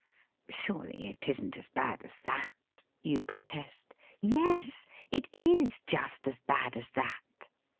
'Surely it isn't as bad as that?' you protest. Yes, it is just as bad as that.